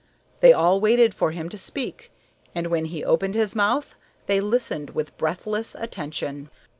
They all waited for him to speak, and when he opened his mouth they listened with breathless attention.